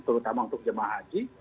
terutama untuk jamah haji